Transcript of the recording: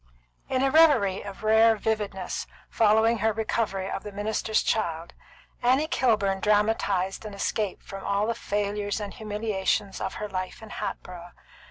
In a reverie of rare vividness following her recovery of the minister's child, Annie Kilburn dramatised an escape from all the failures and humiliations of her life in Hatboro'.